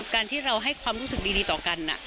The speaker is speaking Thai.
การที่เราให้ความรู้สึกดีต่อกัน